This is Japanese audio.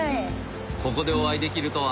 ここでお会いできるとは。